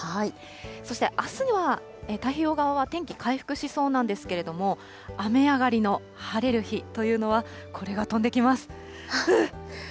そしてあすには太平洋側は天気回復しそうなんですけれども、雨上がりの晴れる日というのはこれが飛んできます。